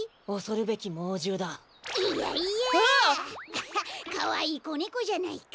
アハッかわいいこねこじゃないか。